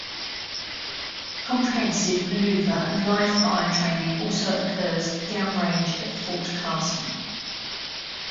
Comprehensive maneuver and live fire training also occurs downrange at Fort Carson.